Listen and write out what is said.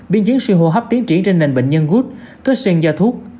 biên diễn suy hô hấp tiến trí trên nền bệnh nhân gút cơ xuyên do thuốc